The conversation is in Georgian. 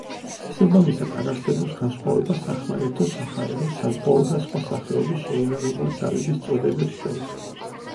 შესაბამისად, არ არსებობს განსხვავება სახმელეთო, საჰაერო, საზღვაო და სხვა სახეობის შეიარარებული ძალების წოდებებს შორის.